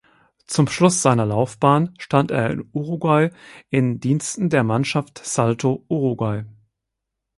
Zum Schluss seiner Laufbahn stand er in Uruguay in Diensten der Mannschaft Salto Uruguay.